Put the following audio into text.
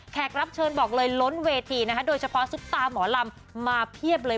รับเชิญบอกเลยล้นเวทีนะคะโดยเฉพาะซุปตาหมอลำมาเพียบเลย